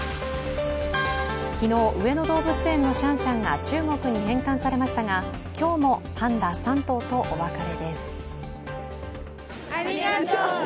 昨日、上野動物園のシャンシャンが中国に返還されましたが、今日もパンダ３頭とお別れです。